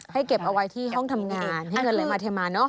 เก็บเอาไว้ที่ห้องทำงานให้เงินไหลมาเทมาเนอะ